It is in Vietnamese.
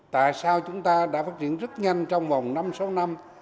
tại sao chúng ta đã phát triển rất nhanh trong vòng năm sáu năm